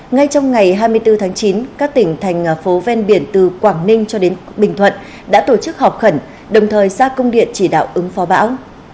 ngay trong ngày hai mươi bốn tháng chín các tỉnh thành phố ven biển từ quảng ninh cho đến bình thuận đã tổ chức họp khẩn đồng thời ra công điện chỉ đạo ứng phó bão